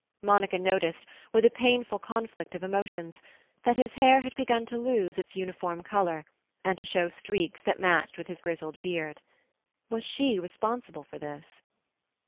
Monica noticed, with a painful conflict of emotions, that his hair had begun to lose its uniform colour, and to show streaks that matched with his grizzled beard. Was she responsible for this?